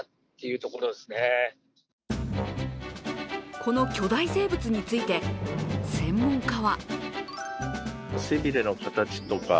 この巨大生物について専門家は。